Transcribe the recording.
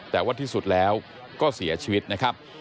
แต่ว่าที่สุดแล้วก็เสียชีวิตนะครับ